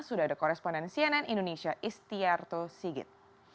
sudah ada koresponden cnn indonesia istiarto sigit